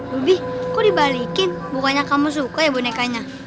ruby kok dibalikan bukannya kamu suka ya bonekanya